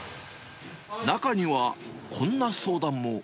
中には、こんな相談も。